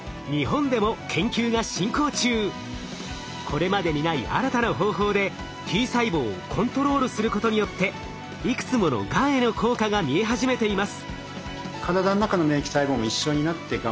これまでにない新たな方法でＴ細胞をコントロールすることによっていくつものがんへの効果が見え始めています。